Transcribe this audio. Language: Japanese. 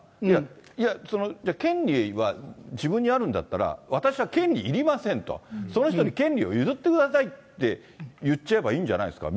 いや、その権利は自分にあるんだったら、私は権利いりませんと、その人に権利を譲ってくださいって言っちゃえばいいんじゃないですか。